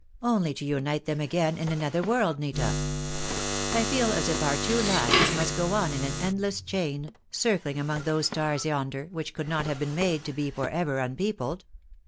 "Only to unite them again in another world, Nita. I feel as if our two lives must go on in an endless chain, circling among those stars yonder, which could not have been made to be for ever unpeopled.